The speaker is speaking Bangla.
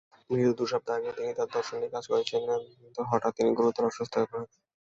মৃত্যুর দুই সপ্তাহ আগেও তিনি তার দর্শন নিয়ে কাজ করছিলেন কিন্তু হঠাৎ তিনি গুরুতর অসুস্থ হয়ে পড়েন।